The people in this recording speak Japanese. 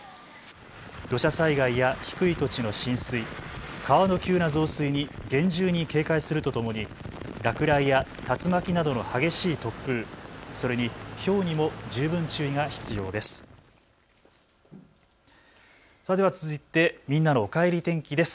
土砂災害や低い土地の浸水、川の急な増水に厳重に警戒するとともに落雷や竜巻などの激しい突風、それにひょうにも十分注意が必要です。